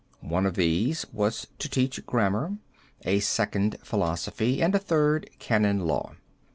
One of these was to teach grammar, a second philosophy, and a third canon law.